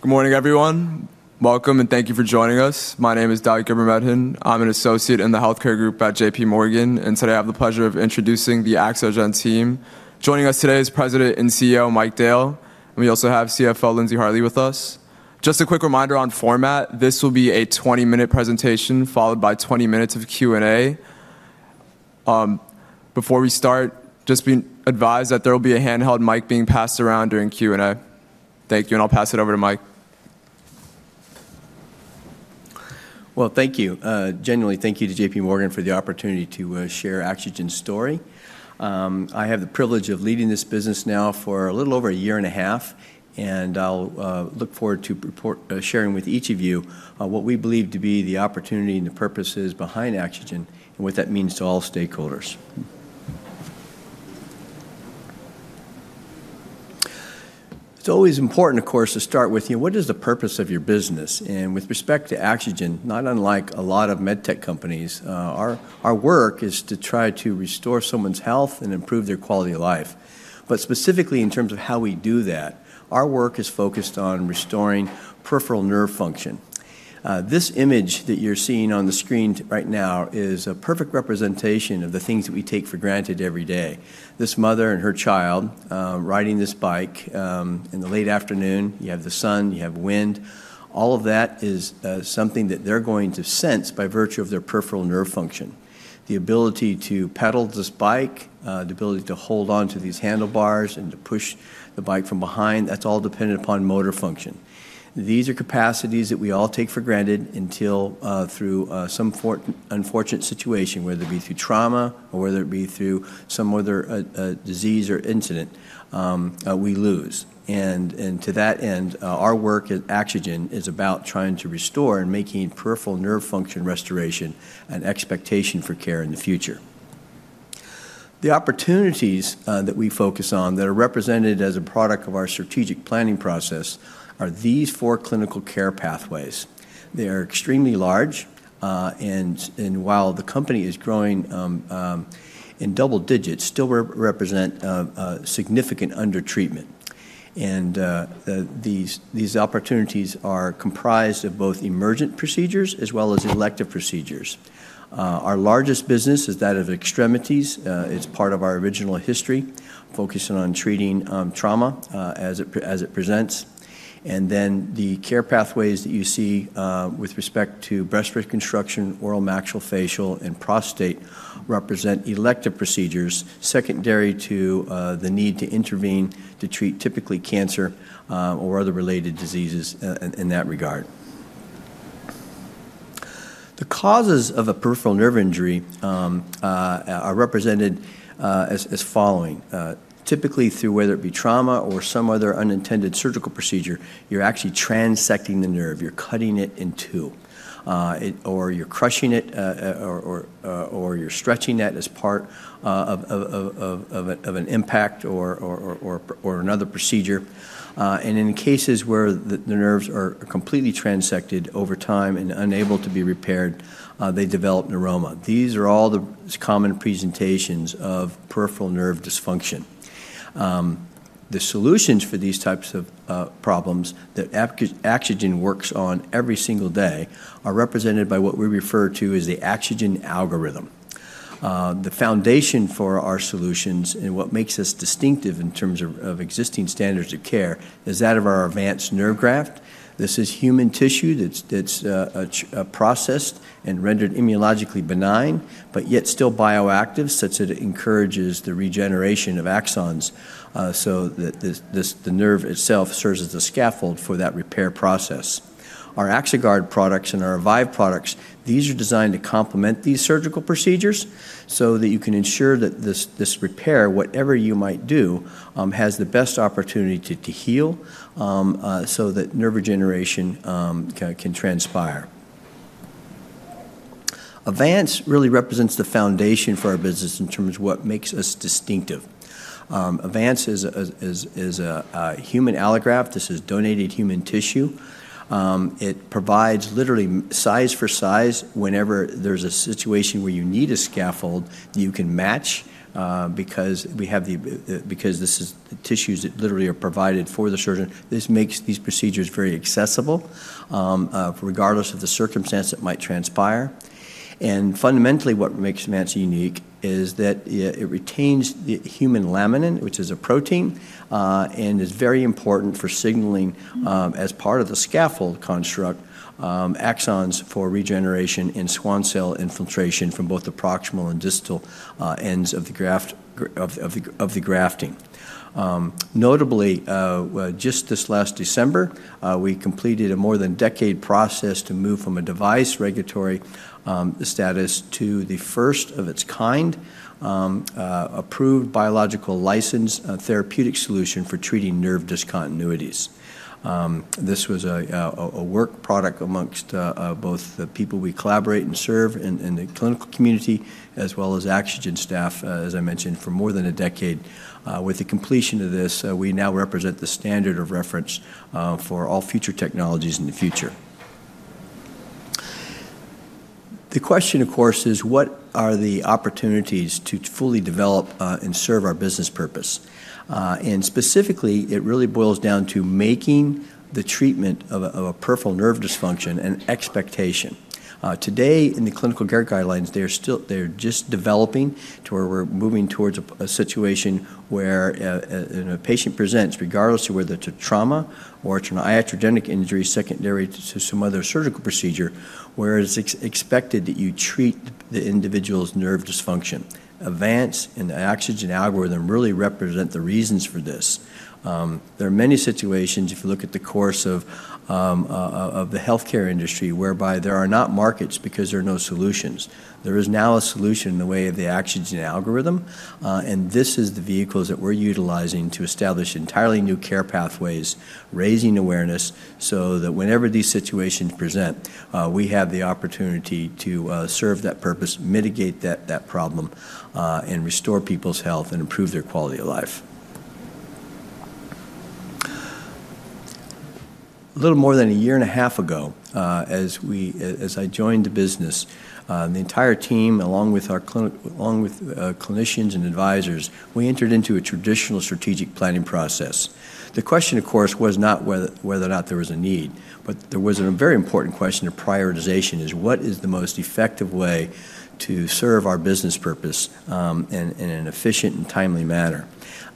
Good morning, everyone. Welcome, and thank you for joining us. My name is Doug Guilmartin. I'm an associate in the healthcare group at J.P. Morgan, and today I have the pleasure of introducing the AxoGen team. Joining us today is President and CEO Mike Dale, and we also have CFO Lindsey Hartley with us. Just a quick reminder on format: this will be a 20-minute presentation followed by 20 minutes of Q&A. Before we start, just be advised that there will be a handheld mic being passed around during Q&A. Thank you, and I'll pass it over to Mike. Thank you. Genuinely, thank you to J.P. Morgan for the opportunity to share Axogen's story. I have the privilege of leading this business now for a little over a year and a half, and I'll look forward to sharing with each of you what we believe to be the opportunity and the purposes behind Axogen and what that means to all stakeholders. It's always important, of course, to start with, you know, what is the purpose of your business? And with respect to Axogen, not unlike a lot of medtech companies, our work is to try to restore someone's health and improve their quality of life. But specifically in terms of how we do that, our work is focused on restoring peripheral nerve function. This image that you're seeing on the screen right now is a perfect representation of the things that we take for granted every day. This mother and her child riding this bike in the late afternoon, you have the sun, you have wind. All of that is something that they're going to sense by virtue of their peripheral nerve function. The ability to pedal this bike, the ability to hold onto these handlebars and to push the bike from behind, that's all dependent upon motor function. These are capacities that we all take for granted until through some unfortunate situation, whether it be through trauma or whether it be through some other disease or incident, we lose. And to that end, our work at Axogen is about trying to restore and making peripheral nerve function restoration an expectation for care in the future. The opportunities that we focus on that are represented as a product of our strategic planning process are these four clinical care pathways. They are extremely large, and while the company is growing in double digits, still represent significant under-treatment. And these opportunities are comprised of both emergent procedures as well as elective procedures. Our largest business is that of extremities. It's part of our original history, focusing on treating trauma as it presents. And then the care pathways that you see with respect to breast reconstruction, oral maxillofacial, and prostate represent elective procedures secondary to the need to intervene to treat typically cancer or other related diseases in that regard. The causes of a peripheral nerve injury are represented as following. Typically, through whether it be trauma or some other unintended surgical procedure, you're actually transecting the nerve. You're cutting it in two, or you're crushing it, or you're stretching that as part of an impact or another procedure. In cases where the nerves are completely transected over time and unable to be repaired, they develop neuroma. These are all the common presentations of peripheral nerve dysfunction. The solutions for these types of problems that Axogen works on every single day are represented by what we refer to as the Axogen algorithm. The foundation for our solutions and what makes us distinctive in terms of existing standards of care is that of our Avance Nerve Graft. This is human tissue that's processed and rendered immunologically benign, but yet still bioactive such that it encourages the regeneration of axons so that the nerve itself serves as a scaffold for that repair process. Our Axoguard products and our Avive products, these are designed to complement these surgical procedures so that you can ensure that this repair, whatever you might do, has the best opportunity to heal so that nerve regeneration can transpire. Avance really represents the foundation for our business in terms of what makes us distinctive. Avance is a human allograft. This is donated human tissue. It provides literally size for size. Whenever there's a situation where you need a scaffold, you can match because we have the tissues that literally are provided for the surgeon. This makes these procedures very accessible regardless of the circumstance that might transpire. And fundamentally, what makes Avance unique is that it retains the human laminin, which is a protein, and is very important for signaling as part of the scaffold construct, axons for regeneration and Schwann cell infiltration from both the proximal and distal ends of the grafting. Notably, just this last December, we completed a more than decade process to move from a device regulatory status to the first of its kind approved biologics license therapeutic solution for treating nerve discontinuities. This was a work product amongst both the people we collaborate and serve in the clinical community as well as AxoGen staff, as I mentioned, for more than a decade. With the completion of this, we now represent the standard of reference for all future technologies in the future. The question, of course, is, what are the opportunities to fully develop and serve our business purpose? Specifically, it really boils down to making the treatment of a peripheral nerve dysfunction an expectation. Today, in the clinical care guidelines, they're just developing to where we're moving towards a situation where a patient presents, regardless of whether it's a trauma or it's an iatrogenic injury secondary to some other surgical procedure, where it's expected that you treat the individual's nerve dysfunction. Avance and the Axogen algorithm really represent the reasons for this. There are many situations, if you look at the course of the healthcare industry, whereby there are not markets because there are no solutions. There is now a solution in the way of the Axogen algorithm, and this is the vehicle that we're utilizing to establish entirely new care pathways, raising awareness so that whenever these situations present, we have the opportunity to serve that purpose, mitigate that problem, and restore people's health and improve their quality of life. A little more than a year and a half ago, as I joined the business, the entire team, along with clinicians and advisors, we entered into a traditional strategic planning process. The question, of course, was not whether or not there was a need, but there was a very important question of prioritization: what is the most effective way to serve our business purpose in an efficient and timely manner?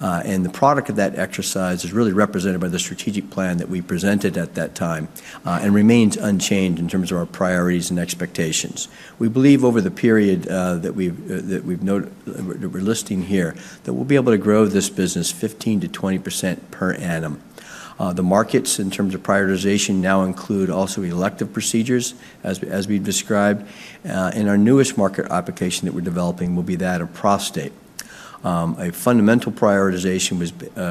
The product of that exercise is really represented by the strategic plan that we presented at that time and remains unchanged in terms of our priorities and expectations. We believe over the period that we're listing here, that we'll be able to grow this business 15%-20% per annum. The markets in terms of prioritization now include also elective procedures, as we've described. Our newest market application that we're developing will be that of prostate. A fundamental prioritization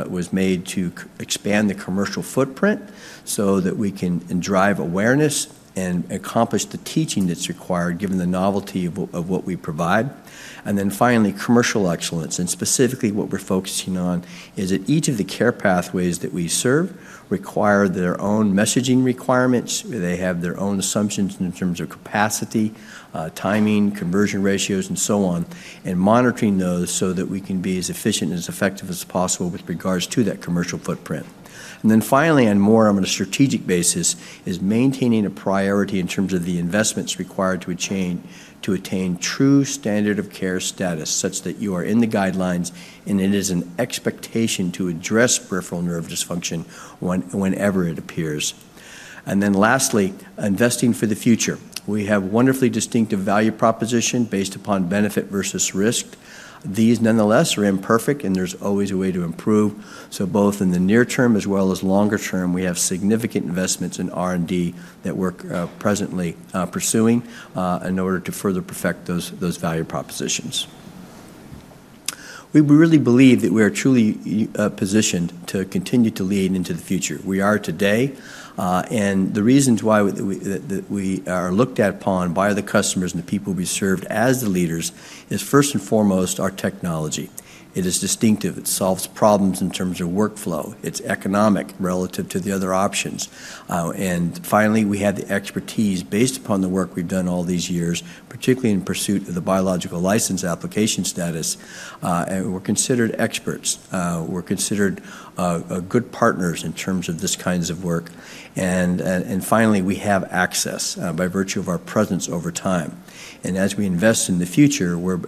was made to expand the commercial footprint so that we can drive awareness and accomplish the teaching that's required given the novelty of what we provide. Then finally, commercial excellence. Specifically, what we're focusing on is that each of the care pathways that we serve require their own messaging requirements. They have their own assumptions in terms of capacity, timing, conversion ratios, and so on, and monitoring those so that we can be as efficient and as effective as possible with regards to that commercial footprint, and then finally, and more on a strategic basis, is maintaining a priority in terms of the investments required to attain true standard of care status such that you are in the guidelines and it is an expectation to address peripheral nerve dysfunction whenever it appears, and then lastly, investing for the future. We have wonderfully distinctive value propositions based upon benefit versus risk. These, nonetheless, are imperfect, and there's always a way to improve, so both in the near term as well as longer term, we have significant investments in R&D that we're presently pursuing in order to further perfect those value propositions. We really believe that we are truly positioned to continue to lead into the future. We are today. And the reasons why we are looked upon by the customers and the people we serve as the leaders is, first and foremost, our technology. It is distinctive. It solves problems in terms of workflow. It's economic relative to the other options. And finally, we have the expertise based upon the work we've done all these years, particularly in pursuit of the biologics license application status. And we're considered experts. We're considered good partners in terms of this kinds of work. And finally, we have access by virtue of our presence over time. And as we invest in the future, we're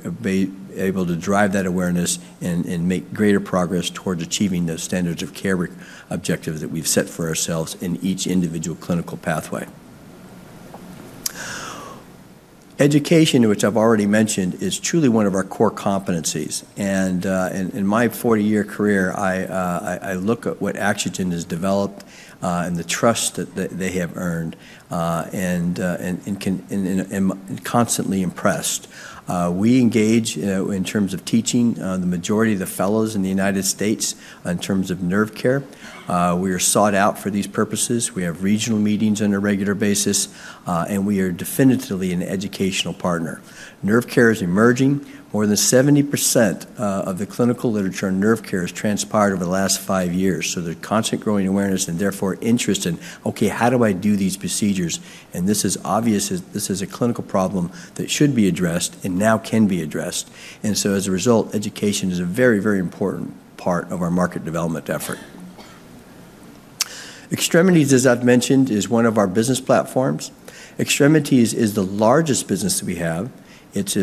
able to drive that awareness and make greater progress towards achieving those standards of care objectives that we've set for ourselves in each individual clinical pathway. Education, which I've already mentioned, is truly one of our core competencies. And in my 40-year career, I look at what Axogen has developed and the trust that they have earned and am constantly impressed. We engage in terms of teaching the majority of the fellows in the United States in terms of nerve care. We are sought out for these purposes. We have regional meetings on a regular basis, and we are definitively an educational partner. Nerve care is emerging. More than 70% of the clinical literature on nerve care has transpired over the last five years. So there's constant growing awareness and therefore interest in, okay, how do I do these procedures? And this is obvious as this is a clinical problem that should be addressed and now can be addressed. And so as a result, education is a very, very important part of our market development effort. Extremities, as I've mentioned, is one of our business platforms. Extremities is the largest business that we have. It's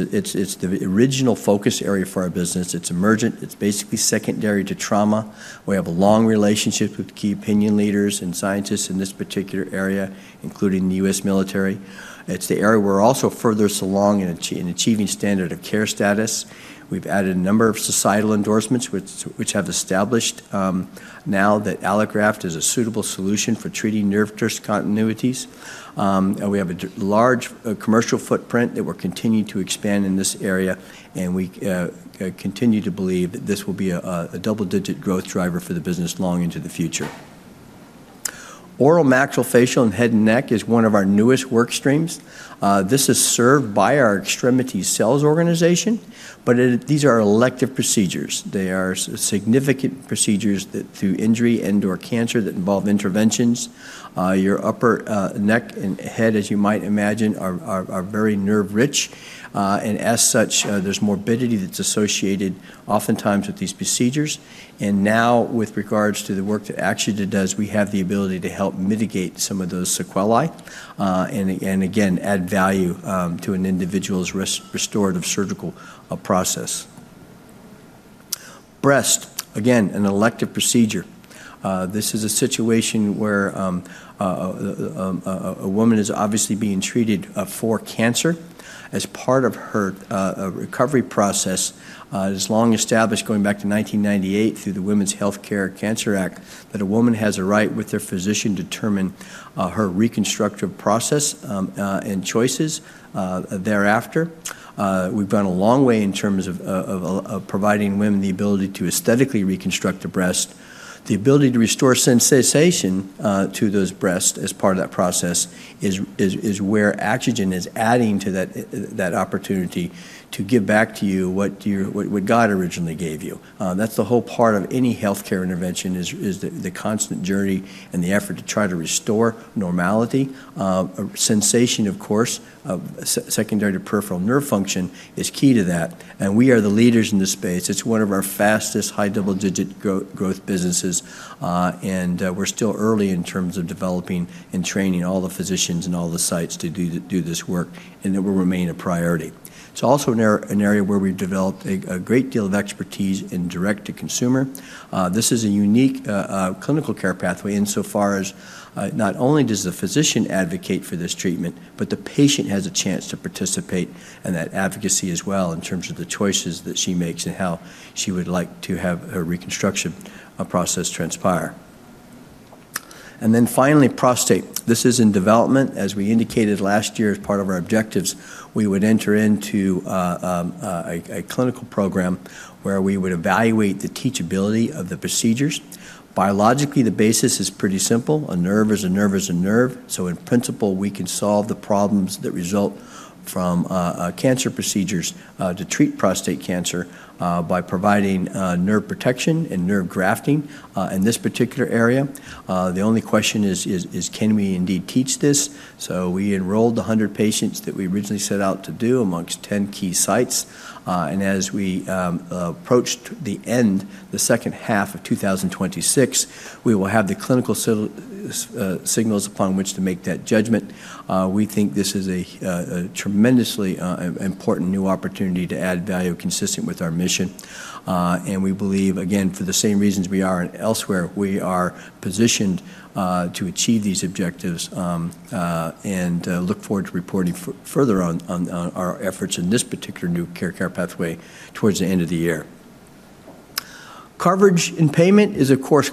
the original focus area for our business. It's emergent. It's basically secondary to trauma. We have a long relationship with key opinion leaders and scientists in this particular area, including the U.S. Military. It's the area we're also furthest along in achieving standard of care status. We've added a number of societal endorsements which have established now that allograft is a suitable solution for treating nerve discontinuities. We have a large commercial footprint that we're continuing to expand in this area, and we continue to believe that this will be a double-digit growth driver for the business long into the future. Oral and maxillofacial and head and neck is one of our newest work streams. This is served by our Extremities Sales organization, but these are elective procedures. They are significant procedures through injury and/or cancer that involve interventions. Your upper neck and head, as you might imagine, are very nerve-rich, and as such, there's morbidity that's associated oftentimes with these procedures. And now, with regards to the work that Axogen does, we have the ability to help mitigate some of those sequelae and, again, add value to an individual's restorative surgical process. Breast, again, an elective procedure. This is a situation where a woman is obviously being treated for cancer. As part of her recovery process, it is long established going back to 1998 through the Women's Health and Cancer Rights Act that a woman has a right with their physician to determine her reconstructive process and choices thereafter. We've gone a long way in terms of providing women the ability to aesthetically reconstruct the breast. The ability to restore sensation to those breasts as part of that process is where Axogen is adding to that opportunity to give back to you what God originally gave you. That's the whole part of any healthcare intervention, is the constant journey and the effort to try to restore normality. Sensation, of course, secondary to peripheral nerve function is key to that, and we are the leaders in this space. It's one of our fastest high double-digit growth businesses, and we're still early in terms of developing and training all the physicians and all the sites to do this work, and it will remain a priority. It's also an area where we've developed a great deal of expertise in direct-to-consumer. This is a unique clinical care pathway insofar as not only does the physician advocate for this treatment, but the patient has a chance to participate in that advocacy as well in terms of the choices that she makes and how she would like to have her reconstruction process transpire, and then finally, prostate. This is in development. As we indicated last year as part of our objectives, we would enter into a clinical program where we would evaluate the teachability of the procedures. Biologically, the basis is pretty simple. A nerve is a nerve is a nerve. So in principle, we can solve the problems that result from cancer procedures to treat prostate cancer by providing nerve protection and nerve grafting in this particular area. The only question is, can we indeed teach this? We enrolled 100 patients that we originally set out to do amongst 10 key sites. And as we approach the end, the second half of 2026, we will have the clinical signals upon which to make that judgment. We think this is a tremendously important new opportunity to add value consistent with our mission. And we believe, again, for the same reasons we are elsewhere, we are positioned to achieve these objectives and look forward to reporting further on our efforts in this particular new care pathway towards the end of the year. Coverage and payment is, of course,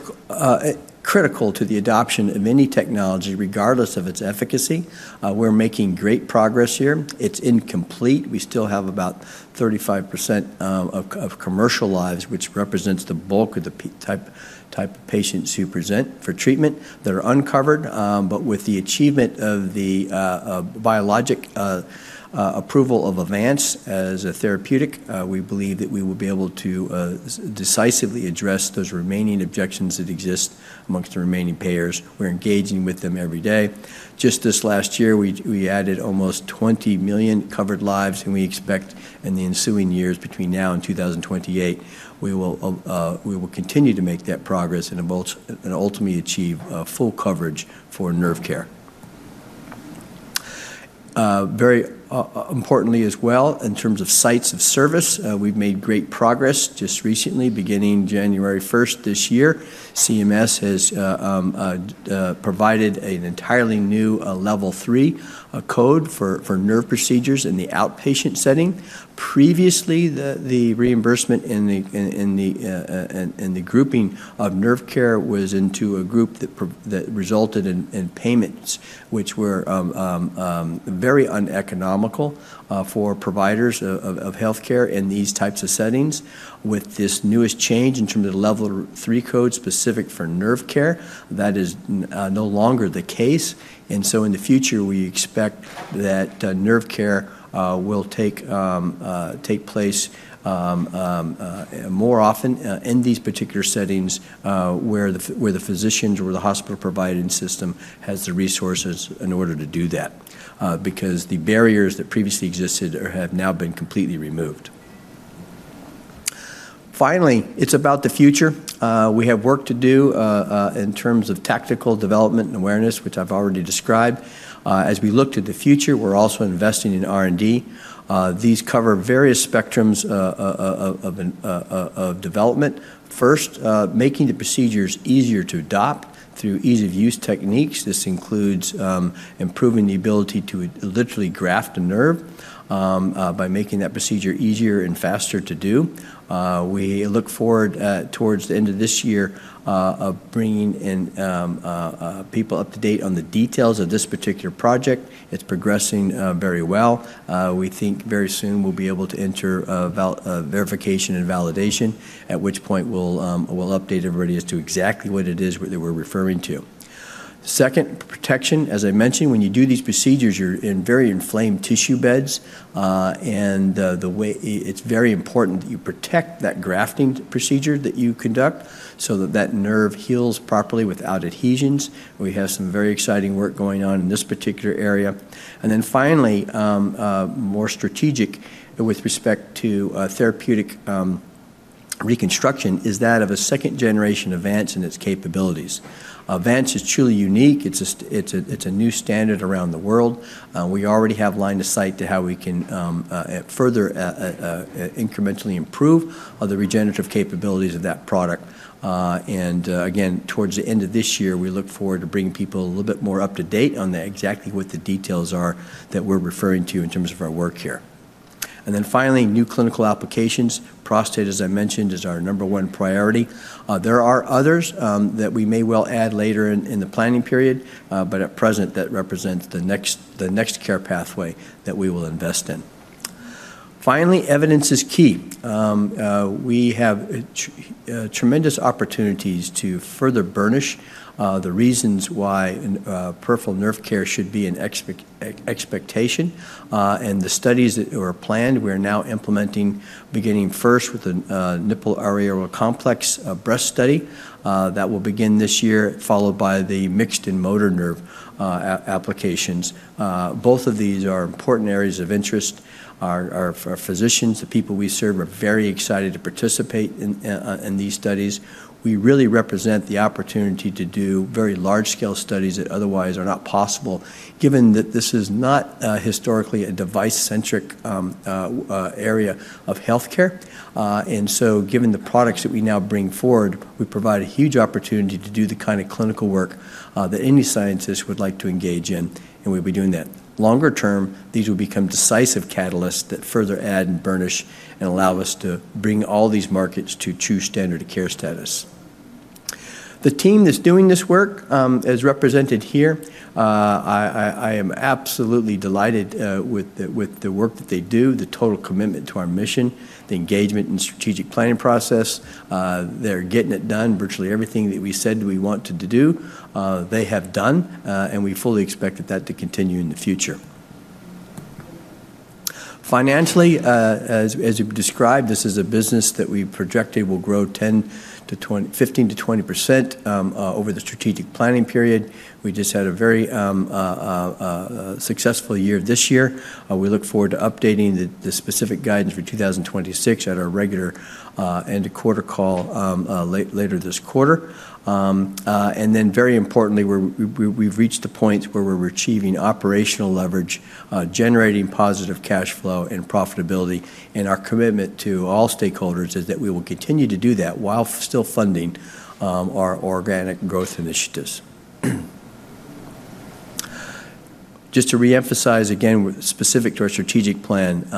critical to the adoption of any technology regardless of its efficacy. We're making great progress here. It's incomplete. We still have about 35% of commercial lives, which represents the bulk of the type of patients who present for treatment that are uncovered. But with the achievement of the biologic approval of Avance as a therapeutic, we believe that we will be able to decisively address those remaining objections that exist amongst the remaining payers. We're engaging with them every day. Just this last year, we added almost 20 million covered lives, and we expect in the ensuing years between now and 2028, we will continue to make that progress and ultimately achieve full coverage for nerve care. Very importantly as well, in terms of sites of service, we've made great progress just recently. Beginning January 1st this year, CMS has provided an entirely new Level lII code for nerve procedures in the outpatient setting. Previously, the reimbursement in the grouping of nerve care was into a group that resulted in payments, which were very uneconomical for providers of healthcare in these types of settings. With this newest change in terms of the level III code specific for nerve care, that is no longer the case, and so in the future, we expect that nerve care will take place more often in these particular settings where the physicians or the hospital providing system has the resources in order to do that because the barriers that previously existed have now been completely removed. Finally, it's about the future. We have work to do in terms of tactical development and awareness, which I've already described. As we look to the future, we're also investing in R&D. These cover various spectrums of development. First, making the procedures easier to adopt through ease-of-use techniques. This includes improving the ability to literally graft a nerve by making that procedure easier and faster to do. We look forward towards the end of this year of bringing people up to date on the details of this particular project. It's progressing very well. We think very soon we'll be able to enter verification and validation, at which point we'll update everybody as to exactly what it is that we're referring to. Second, protection. As I mentioned, when you do these procedures, you're in very inflamed tissue beds, and it's very important that you protect that grafting procedure that you conduct so that that nerve heals properly without adhesions. We have some very exciting work going on in this particular area. And then finally, more strategic with respect to therapeutic reconstruction is that of a second generation of Avance and its capabilities. Avance is truly unique. It's a new standard around the world. We already have line of sight to how we can further incrementally improve the regenerative capabilities of that product, and again, towards the end of this year, we look forward to bringing people a little bit more up to date on exactly what the details are that we're referring to in terms of our work here, and then finally, new clinical applications. Prostate, as I mentioned, is our number one priority. There are others that we may well add later in the planning period, but at present, that represents the next care pathway that we will invest in, finally, evidence is key. We have tremendous opportunities to further burnish the reasons why peripheral nerve care should be an expectation, and the studies that were planned, we are now implementing, beginning first with the nipple-areolar complex breast study that will begin this year, followed by the mixed and motor nerve applications. Both of these are important areas of interest. Our physicians, the people we serve, are very excited to participate in these studies. We really represent the opportunity to do very large-scale studies that otherwise are not possible, given that this is not historically a device-centric area of healthcare. And so given the products that we now bring forward, we provide a huge opportunity to do the kind of clinical work that any scientist would like to engage in, and we'll be doing that. Longer term, these will become decisive catalysts that further add and burnish and allow us to bring all these markets to true standard of care status. The team that's doing this work is represented here. I am absolutely delighted with the work that they do, the total commitment to our mission, the engagement and strategic planning process. They're getting it done. Virtually everything that we said we wanted to do, they have done, and we fully expect that to continue in the future. Financially, as we've described, this is a business that we projected will grow 15%-20% over the strategic planning period. We just had a very successful year this year. We look forward to updating the specific guidance for 2026 at our regular end-of-quarter call later this quarter, and then very importantly, we've reached the point where we're achieving operational leverage, generating positive cash flow and profitability, and our commitment to all stakeholders is that we will continue to do that while still funding our organic growth initiatives. Just to reemphasize again, specific to our strategic plan,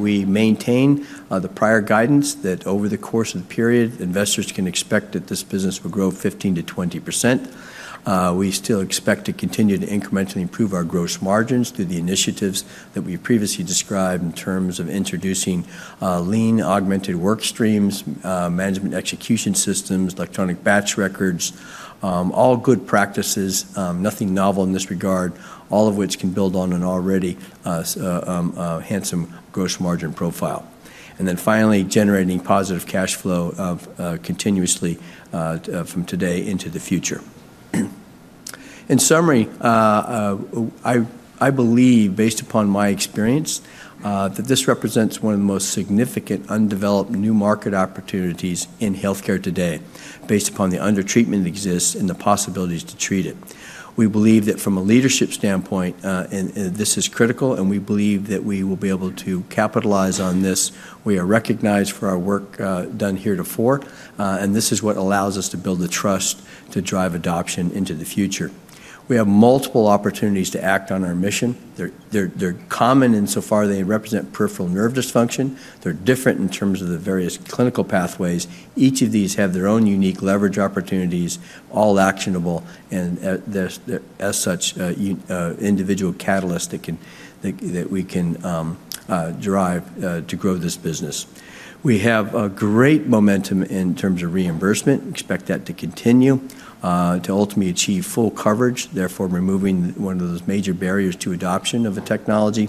we maintain the prior guidance that over the course of the period, investors can expect that this business will grow 15%-20%. We still expect to continue to incrementally improve our gross margins through the initiatives that we previously described in terms of introducing lean augmented work streams, manufacturing execution systems, electronic batch records, all good practices, nothing novel in this regard, all of which can build on an already handsome gross margin profile, and then finally, generating positive cash flow continuously from today into the future. In summary, I believe, based upon my experience, that this represents one of the most significant undeveloped new market opportunities in healthcare today, based upon the under-treatment that exists and the possibilities to treat it. We believe that from a leadership standpoint, this is critical, and we believe that we will be able to capitalize on this. We are recognized for our work done here before, and this is what allows us to build the trust to drive adoption into the future. We have multiple opportunities to act on our mission. They're common insofar as they represent peripheral nerve dysfunction. They're different in terms of the various clinical pathways. Each of these have their own unique leverage opportunities, all actionable, and as such, individual catalysts that we can derive to grow this business. We have great momentum in terms of reimbursement. We expect that to continue to ultimately achieve full coverage, therefore removing one of those major barriers to adoption of a technology.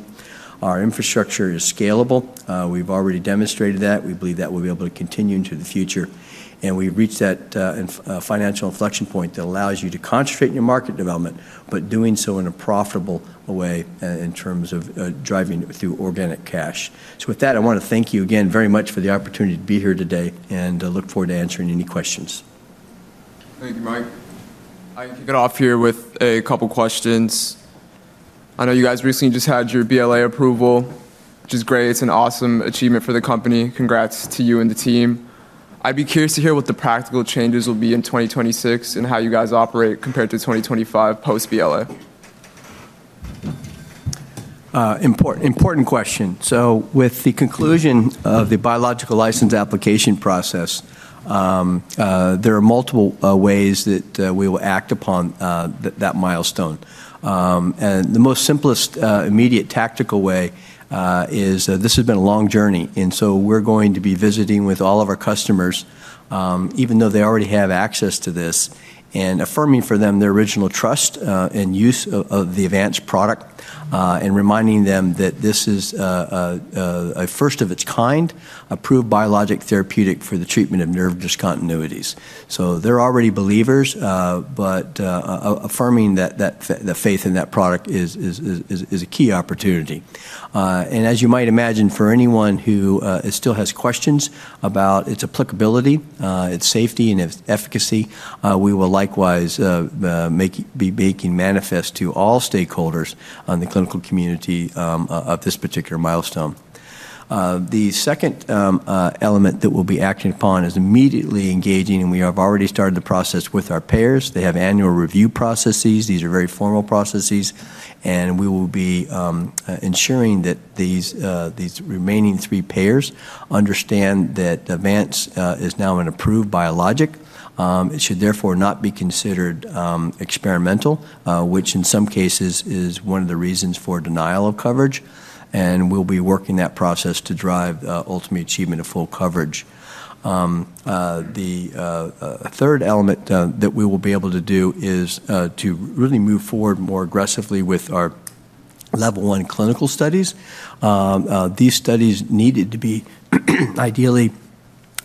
Our infrastructure is scalable. We've already demonstrated that. We believe that we'll be able to continue into the future, and we've reached that financial inflection point that allows you to concentrate in your market development, but doing so in a profitable way in terms of driving through organic cash. With that, I want to thank you again very much for the opportunity to be here today and look forward to answering any questions. Thank you, Mike. I'll kick it off here with a couple of questions. I know you guys recently just had your BLA approval, which is great. It's an awesome achievement for the company. Congrats to you and the team. I'd be curious to hear what the practical changes will be in 2026 and how you guys operate compared to 2025 post-BLA. Important question. So with the conclusion of the biologics license application process, there are multiple ways that we will act upon that milestone. And the most simplest immediate tactical way is this has been a long journey. And so we're going to be visiting with all of our customers, even though they already have access to this, and affirming for them their original trust and use of the Avance product, and reminding them that this is a first of its kind, approved biologic therapeutic for the treatment of nerve discontinuities. So they're already believers, but affirming that faith in that product is a key opportunity. And as you might imagine, for anyone who still has questions about its applicability, its safety, and its efficacy, we will likewise be making manifest to all stakeholders on the clinical community of this particular milestone. The second element that we'll be acting upon is immediately engaging, and we have already started the process with our payers. They have annual review processes. These are very formal processes, and we will be ensuring that these remaining three payers understand that Avance is now an approved biologic. It should therefore not be considered experimental, which in some cases is one of the reasons for denial of coverage, and we'll be working that process to drive ultimate achievement of full coverage. The third element that we will be able to do is to really move forward more aggressively with our level one clinical studies. These studies needed to be ideally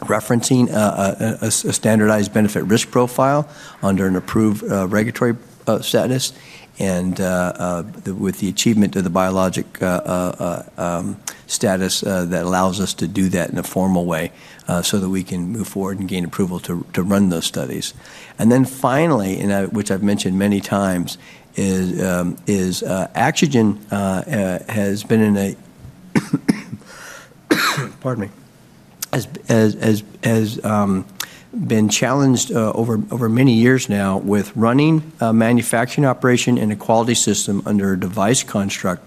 referencing a standardized benefit risk profile under an approved regulatory status, and with the achievement of the biologic status that allows us to do that in a formal way so that we can move forward and gain approval to run those studies. Then finally, which I've mentioned many times, is Axogen has been challenged over many years now with running a manufacturing operation in a quality system under a device construct,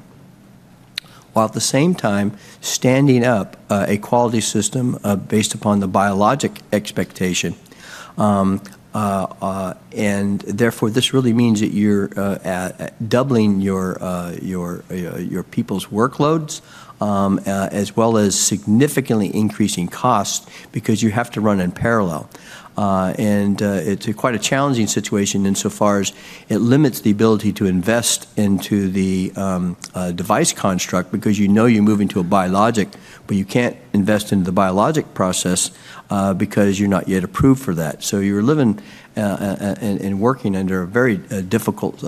while at the same time standing up a quality system based upon the biologic expectation. And therefore, this really means that you're doubling your people's workloads, as well as significantly increasing costs because you have to run in parallel. It's quite a challenging situation insofar as it limits the ability to invest into the device construct because you know you're moving to a biologic, but you can't invest into the biologic process because you're not yet approved for that. You're living and working under a very difficult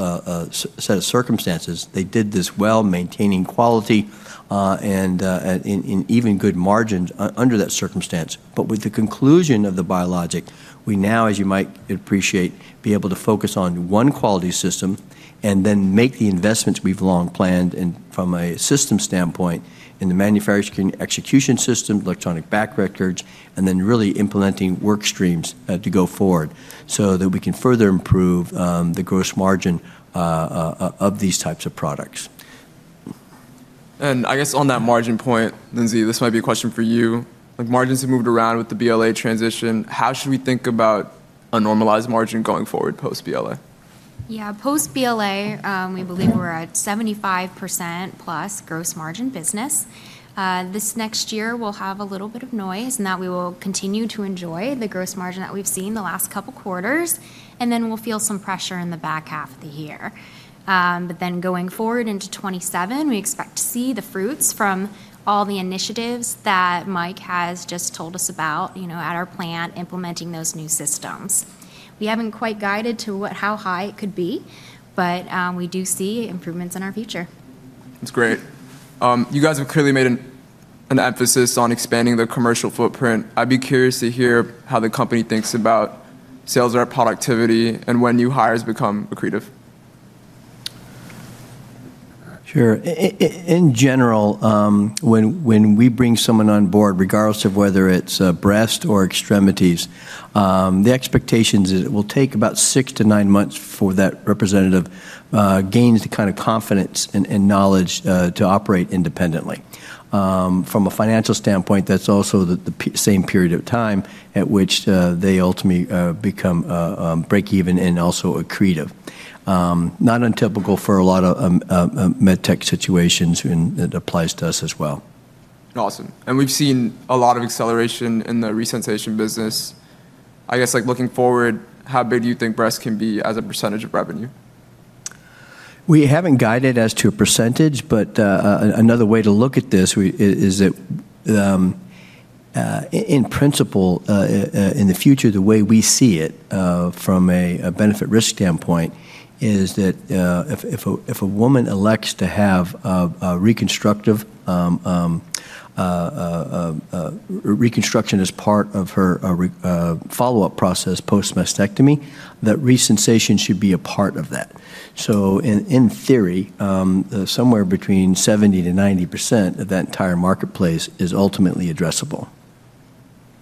set of circumstances. They did this well maintaining quality and even good margins under that circumstance. With the conclusion of the biologic, we now, as you might appreciate, be able to focus on one quality system and then make the investments we've long planned from a system standpoint in the manufacturing execution system, electronic batch records, and then really implementing work streams to go forward so that we can further improve the gross margin of these types of products. I guess on that margin point, Lindsey, this might be a question for you. Margins have moved around with the BLA transition. How should we think about a normalized margin going forward post-BLA? Yeah, post-BLA, we believe we're at 75% plus gross margin business. This next year, we'll have a little bit of noise in that we will continue to enjoy the gross margin that we've seen the last couple of quarters, and then we'll feel some pressure in the back half of the year. But then going forward into 2027, we expect to see the fruits from all the initiatives that Mike has just told us about at our plant implementing those new systems. We haven't quite guided to how high it could be, but we do see improvements in our future. That's great. You guys have clearly made an emphasis on expanding the commercial footprint. I'd be curious to hear how the company thinks about sales or productivity and when new hires become productive. Sure. In general, when we bring someone on board, regardless of whether it's breast or extremities, the expectation is it will take about six to nine months for that representative to gain the kind of confidence and knowledge to operate independently. From a financial standpoint, that's also the same period of time at which they ultimately become break-even and also accretive. Not untypical for a lot of med tech situations, and it applies to us as well. Awesome. And we've seen a lot of acceleration in the Resensation business. I guess looking forward, how big do you think breast can be as a percentage of revenue? We haven't guided as to a percentage, but another way to look at this is that, in principle, in the future, the way we see it from a benefit-risk standpoint is that if a woman elects to have reconstruction as part of her follow-up process post-mastectomy, that Resensation should be a part of that. So in theory, somewhere between 70%-90% of that entire marketplace is ultimately addressable.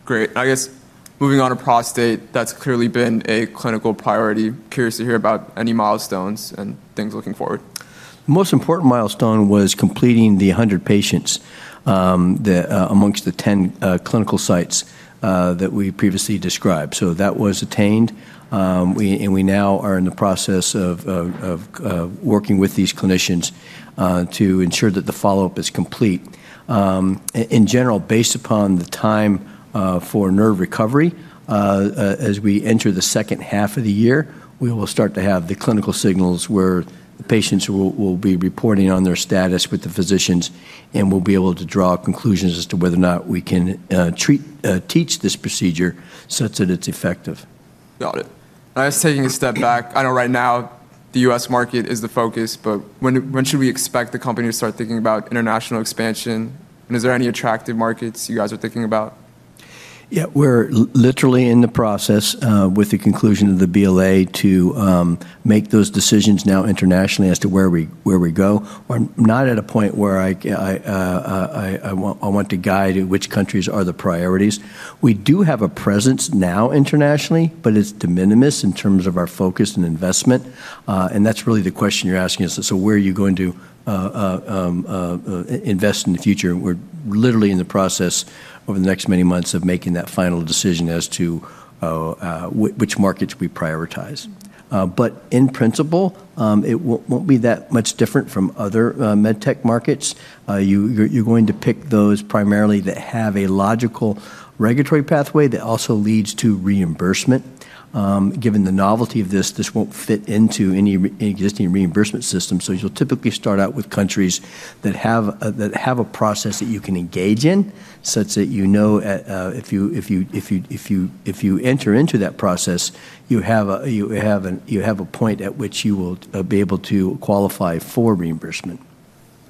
Great. I guess moving on to prostate, that's clearly been a clinical priority. Curious to hear about any milestones and things looking forward. The most important milestone was completing the 100 patients among the 10 clinical sites that we previously described. So that was attained, and we now are in the process of working with these clinicians to ensure that the follow-up is complete. In general, based upon the time for nerve recovery, as we enter the second half of the year, we will start to have the clinical signals where the patients will be reporting on their status with the physicians, and we'll be able to draw conclusions as to whether or not we can teach this procedure such that it's effective. Got it. I guess taking a step back, I know right now the U.S. market is the focus, but when should we expect the company to start thinking about international expansion? And is there any attractive markets you guys are thinking about? Yeah, we're literally in the process with the conclusion of the BLA to make those decisions now internationally as to where we go. I'm not at a point where I want to guide which countries are the priorities. We do have a presence now internationally, but it's de minimis in terms of our focus and investment. And that's really the question you're asking us, so where are you going to invest in the future? We're literally in the process over the next many months of making that final decision as to which markets we prioritize. But in principle, it won't be that much different from other med tech markets. You're going to pick those primarily that have a logical regulatory pathway that also leads to reimbursement. Given the novelty of this, this won't fit into any existing reimbursement system. So you'll typically start out with countries that have a process that you can engage in such that you know if you enter into that process, you have a point at which you will be able to qualify for reimbursement.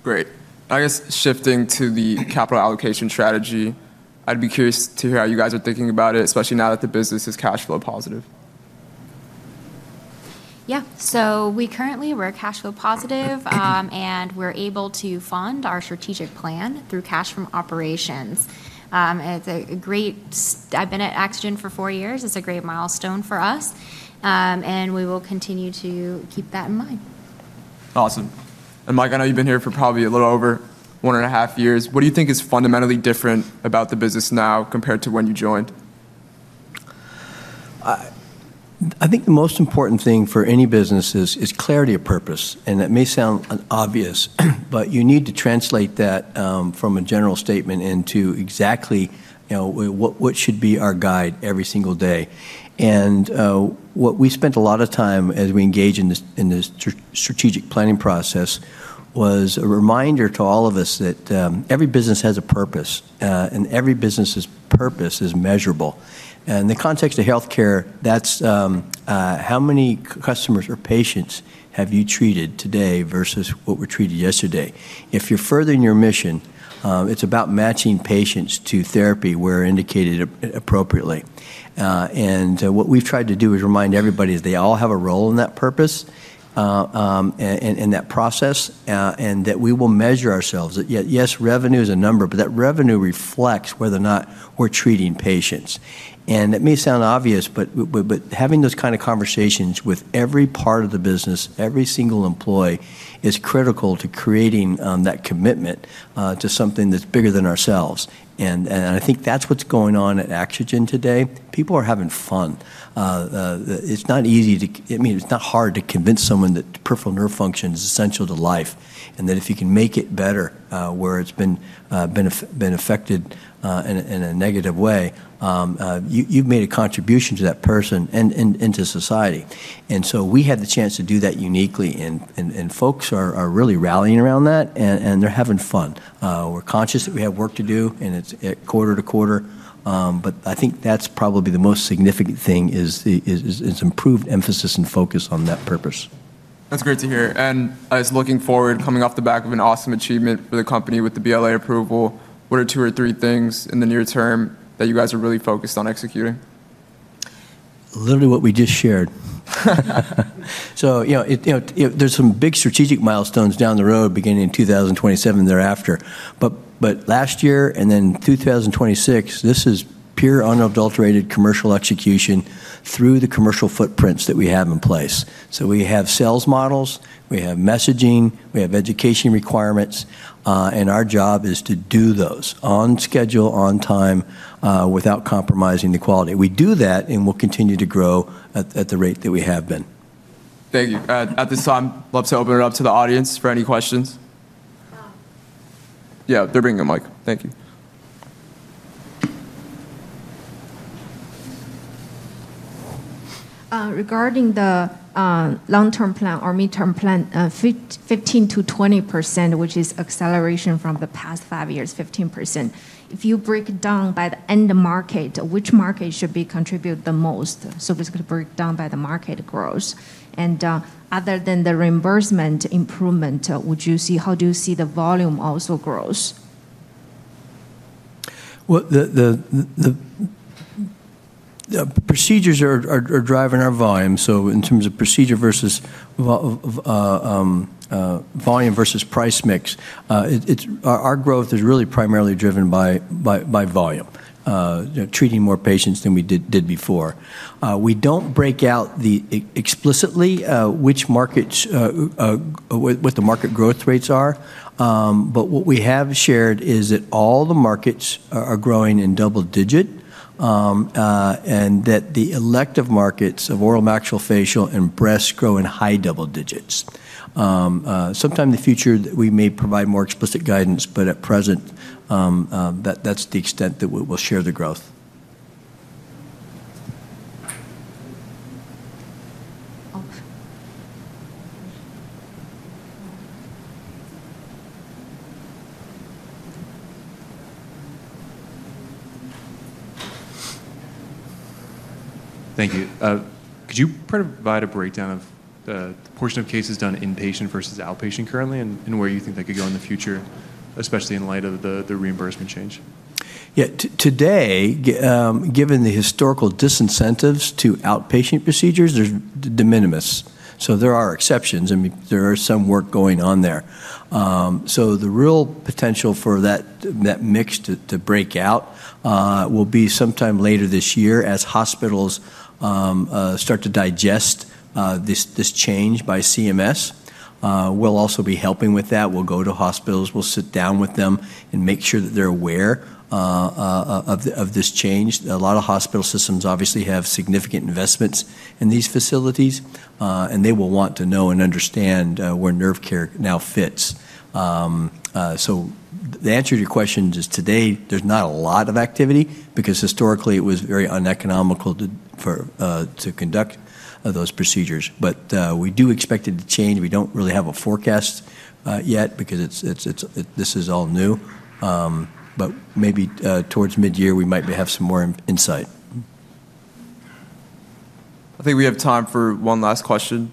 Great. I guess shifting to the capital allocation strategy, I'd be curious to hear how you guys are thinking about it, especially now that the business is cash flow positive. Yeah. So we currently were cash flow positive, and we're able to fund our strategic plan through cash from operations. It's a great. I've been at Axogen for four years. It's a great milestone for us, and we will continue to keep that in mind. Awesome. And Mike, I know you've been here for probably a little over one and a half years. What do you think is fundamentally different about the business now compared to when you joined? I think the most important thing for any business is clarity of purpose, and that may sound obvious, but you need to translate that from a general statement into exactly what should be our guide every single day. What we spent a lot of time as we engage in this strategic planning process was a reminder to all of us that every business has a purpose, and every business's purpose is measurable. In the context of healthcare, that's how many customers or patients have you treated today versus what were treated yesterday? If you're furthering your mission, it's about matching patients to therapy where indicated appropriately. What we've tried to do is remind everybody that they all have a role in that purpose and that process, and that we will measure ourselves. Yes, revenue is a number, but that revenue reflects whether or not we're treating patients. And it may sound obvious, but having those kinds of conversations with every part of the business, every single employee, is critical to creating that commitment to something that's bigger than ourselves. And I think that's what's going on at Axogen today. People are having fun. It's not easy to, I mean, it's not hard to convince someone that peripheral nerve function is essential to life, and that if you can make it better where it's been affected in a negative way, you've made a contribution to that person and to society. And so we had the chance to do that uniquely, and folks are really rallying around that, and they're having fun. We're conscious that we have work to do, and it's quarter to quarter. But I think that's probably the most significant thing is improved emphasis and focus on that purpose. That's great to hear. And I was looking forward coming off the back of an awesome achievement for the company with the BLA approval. What are two or three things in the near term that you guys are really focused on executing? Literally what we just shared, so there's some big strategic milestones down the road beginning in 2027 thereafter, but last year and then 2026, this is pure unadulterated commercial execution through the commercial footprints that we have in place, so we have sales models, we have messaging, we have education requirements, and our job is to do those on schedule, on time, without compromising the quality. We do that, and we'll continue to grow at the rate that we have been. Thank you. At this time, I'd love to open it up to the audience for any questions. Yeah, they're bringing a mic. Thank you. Regarding the long-term plan or mid-term plan, 15%-20%, which is acceleration from the past five years, 15%. If you break down by the end of market, which market should be contributing the most? So basically break down by the market growth. And other than the reimbursement improvement, would you see, how do you see the volume also growth? The procedures are driving our volume. In terms of procedure versus volume versus price mix, our growth is really primarily driven by volume, treating more patients than we did before. We don't break out explicitly which markets, what the market growth rates are. What we have shared is that all the markets are growing in double-digit and that the elective markets of oral, maxillofacial, facial, and breast grow in high double digits. Sometime in the future, we may provide more explicit guidance, but at present, that's the extent that we'll share the growth. Thank you. Could you provide a breakdown of the portion of cases done inpatient versus outpatient currently and where you think that could go in the future, especially in light of the reimbursement change? Yeah. Today, given the historical disincentives to outpatient procedures, there's de minimis. So there are exceptions, and there is some work going on there. So the real potential for that mix to break out will be sometime later this year as hospitals start to digest this change by CMS. We'll also be helping with that. We'll go to hospitals, we'll sit down with them and make sure that they're aware of this change. A lot of hospital systems obviously have significant investments in these facilities, and they will want to know and understand where nerve care now fits. So the answer to your question is today, there's not a lot of activity because historically it was very uneconomical to conduct those procedures. But we do expect it to change. We don't really have a forecast yet because this is all new. But maybe towards mid-year, we might have some more insight. I think we have time for one last question.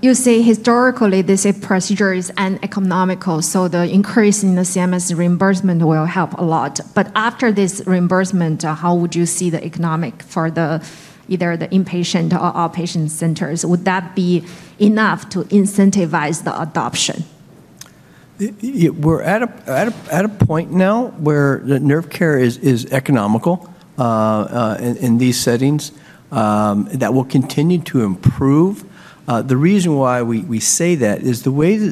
You say historically these procedures are uneconomical, so the increase in the CMS reimbursement will help a lot. But after this reimbursement, how would you see the economics for either the inpatient or outpatient centers? Would that be enough to incentivize the adoption? We're at a point now where the nerve care is economical in these settings that will continue to improve. The reason why we say that is the way the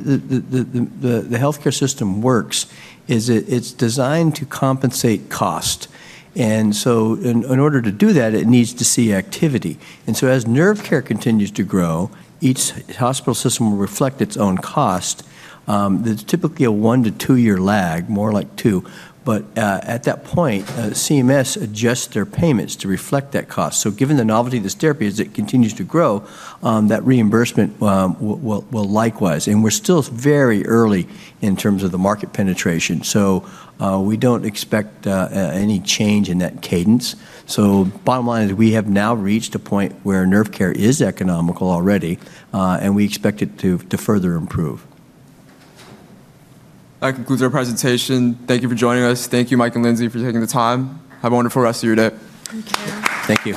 healthcare system works is it's designed to compensate cost, and so in order to do that, it needs to see activity, and so as nerve care continues to grow, each hospital system will reflect its own cost. There's typically a one to two-year lag, more like two, but at that point, CMS adjusts their payments to reflect that cost, so given the novelty of this therapy as it continues to grow, that reimbursement will likewise, and we're still very early in terms of the market penetration, so we don't expect any change in that cadence, so bottom line is we have now reached a point where nerve care is economical already, and we expect it to further improve. That concludes our presentation. Thank you for joining us. Thank you, Mike and Lindsey, for taking the time. Have a wonderful rest of your day. Thank you.